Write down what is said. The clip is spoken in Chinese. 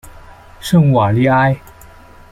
圣瓦利埃。